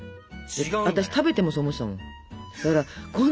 私食べてもそう思ってたもん。